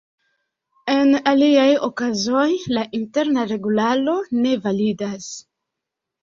En aliaj okazoj, la Interna Regularo ne validas.